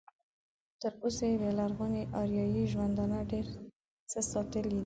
تر اوسه یې د لرغوني اریایي ژوندانه ډېر څه ساتلي دي.